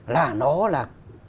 là nó là